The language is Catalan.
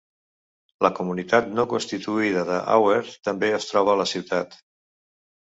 La comunitat no constituïda de Hauer també es troba a la ciutat.